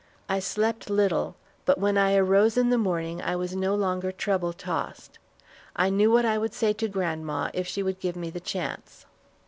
I slept little, but when I arose in the morning I was no longer trouble tossed. I knew what I would say to grandma if she should give me the chance.